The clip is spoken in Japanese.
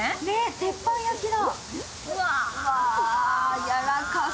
鉄板焼きだ。